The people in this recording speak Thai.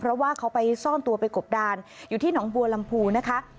เพราะว่าเขาไปซ่อนตัวไปกบดานอยู่ที่หนองบัวลำพูนะคะ